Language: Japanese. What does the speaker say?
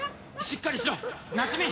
しっかりしろ夏美！